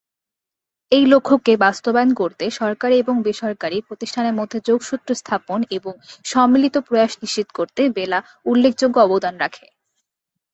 এই লক্ষ্যকে বাস্তবায়ন করতে সরকারি এবং বেসরকারি প্রতিষ্ঠানের মধ্যে যোগসূত্র স্থাপন এবং সম্মিলিত প্রয়াস নিশ্চিত করতে বেলা উল্লেখযোগ্য অবদান রাখে।